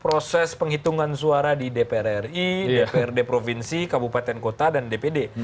proses penghitungan suara di dpr ri dprd provinsi kabupaten kota dan dpd